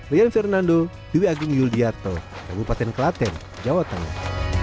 rian fernando dewi agung yuliatto kabupaten klaten jawa tengah